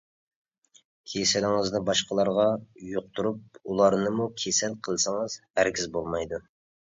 كېسىلىڭىزنى باشقىلارغا يۇقتۇرۇپ ئۇلارنىمۇ كېسەل قىلسىڭىز ھەرگىز بولمايدۇ.